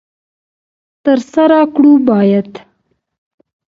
تر سره کړو باید.